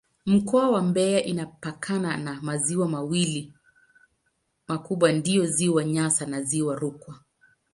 Mkoa wa Mbeya inapakana na maziwa mawili makubwa ndiyo Ziwa Nyasa na Ziwa Rukwa.